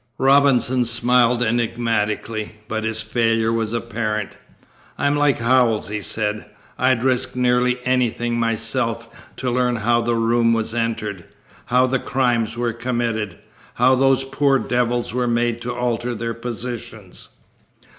Robinson smiled enigmatically, but his failure was apparent. "I'm like Howells," he said. "I'd risk nearly anything myself to learn how the room was entered, how the crimes were committed, how those poor devils were made to alter their positions."